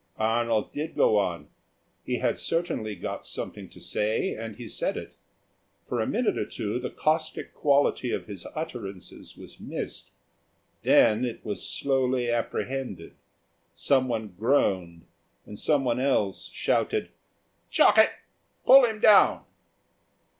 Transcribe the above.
Arnold did go on. He had certainly got something to say, and he said it. For a minute or two the caustic quality of his utterances was missed; then it was slowly apprehended. Someone groaned, and someone else shouted, "Chuck it. Pull him down."